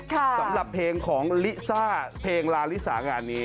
สำหรับเพลงของลิซ่าเพลงลาลิสางานนี้